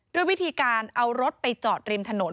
ด้วยวิธีการเอารถไปจอดริมถนน